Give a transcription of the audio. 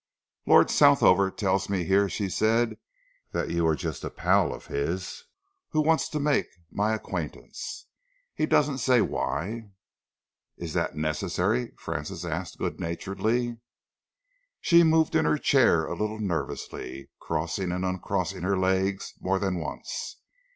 "Lord Southover tells me here," she said, "that you are just a pal of his who wants to make my acquaintance. He doesn't say why." "Is that necessary?" Francis asked good naturedly. She moved in her chair a little nervously, crossing and uncrossing her legs more than once.